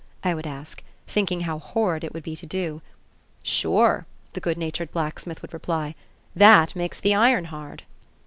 I would ask, thinking how horrid it would be to do. "Sure!" the good natured blacksmith would reply, "that makes the iron hard."